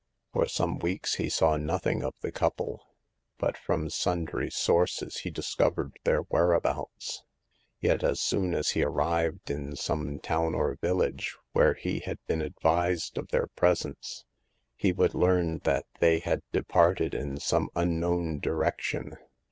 For some weeks he saw nothing of the couple, but from sundry sources he discovered their whereabouts. Yet as soon as he arrived in some town or village where he had been advised of 120 Hagar of the Pawn Shop. their presence he would learn that they had de parted in some unknown direction.